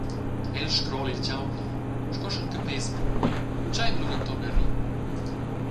El scrola il tgau, sco sch’el capess buca, entscheiva lu denton a rir.